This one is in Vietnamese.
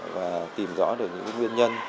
và tìm rõ được những nguyên nhân